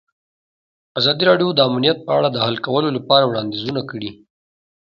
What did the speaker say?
ازادي راډیو د امنیت په اړه د حل کولو لپاره وړاندیزونه کړي.